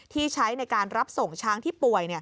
ที่ใช้ในการรับส่งช้างที่ป่วย